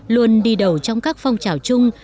luôn đi đầu trong các phong trào chung